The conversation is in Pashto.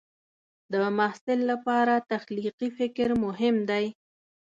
د محصل لپاره تخلیقي فکر مهم دی.